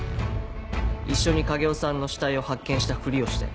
一緒に影尾さんの死体を発見したふりをして。